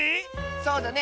そうだね！